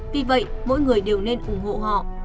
vì vậy mỗi người đều nên ủng hộ họ